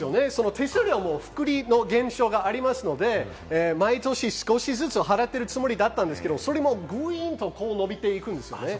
手数料は福利の現象がありますので、毎年少しずつ払っているつもりだったんですけど、それもぐいんと伸びていくんですよね。